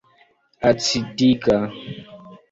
Acidiga.